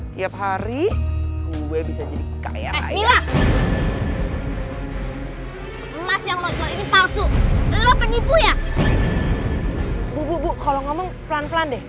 tiap hari gue bisa jadi kayaknya ini palsu penipu ya bu kalau ngomong pelan pelan deh